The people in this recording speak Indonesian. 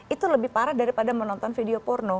itu lebih parah daripada menonton video porno